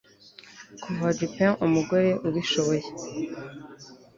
Kuva Jupin umugore ubishoboye